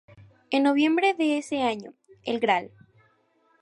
En noviembre de ese año, el Gral.